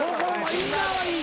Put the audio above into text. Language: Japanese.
インナーはいい。